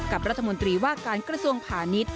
กับรัฐมนตรีว่าการกระทรวงผ่านิต